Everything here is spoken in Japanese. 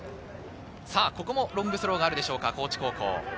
ここもロングスローがあるでしょうか高知高校。